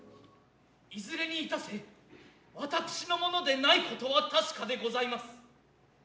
いづれにいたせ私のものでないことは確でございます。